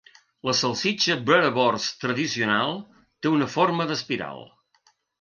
La salsitxa boerewors tradicional té una forma d'espiral.